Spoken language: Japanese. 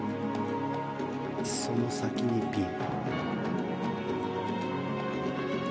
その先にピン。